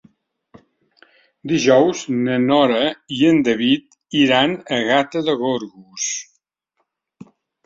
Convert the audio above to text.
Dijous na Nora i en David iran a Gata de Gorgos.